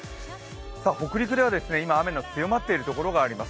北陸では今、雨が強まっているところがあります。